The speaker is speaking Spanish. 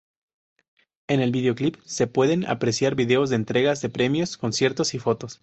En el videoclip se pueden apreciar videos de entregas de premios, conciertos y fotos.